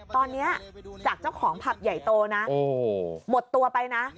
ตอนนี้จากเจ้าของผับใหญ่โตนะหมดตัวไปนะ